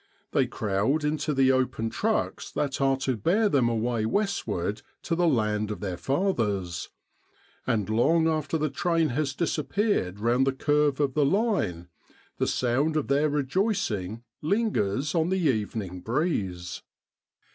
They crowd into the 291 With the R.A.M.C. in Egypt open trucks that are to bear them away westward to the Land of their Fathers; and long after the train has disappeared round the curve of the line, the sound of their rejoicing lingers on the evening breeze.